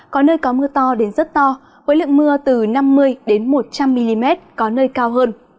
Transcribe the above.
có nơi có mưa to đến rất to với lượng mưa từ năm mươi một trăm linh mm có nơi cao hơn